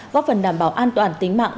góp phần đảm bảo an toàn tính mạng